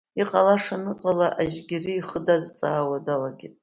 Иҟалашаз аныҟала, Ажьгьери ихы дазҵаауа далагеит.